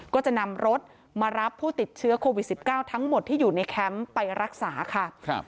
ก็จะนำรถมารับผู้ติดเชื้อโควิด๑๙ทั้งหมดที่อยู่ในแคมป์ไปรักษาค่ะ